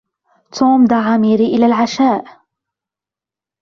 توم دعا ميري إلى العشاء.